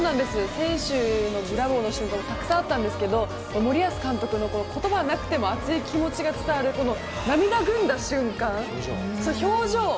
選手のブラボーの瞬間もたくさんあったんですが森保監督の言葉がなくても熱い気持ちが伝わるこの涙ぐんだ瞬間表情。